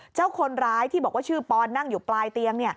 เจ้าคนร้ายที่บอกว่าชื่อปอนนั่งอยู่ปลายเตียง